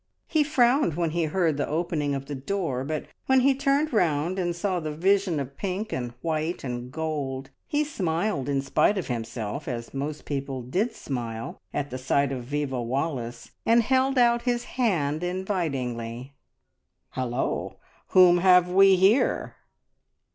He frowned when he heard the opening of the door, but when he turned round and saw the vision of pink and white and gold, he smiled in spite of himself, as most people did smile at the sight of Viva Wallace, and held out his hand invitingly. "Hallo, whom have we here?"